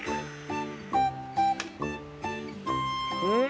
うん！